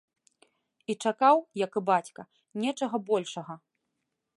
І чакаў, як і бацька, нечага большага.